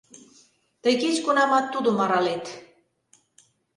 — Тый кеч кунамат тудым аралет!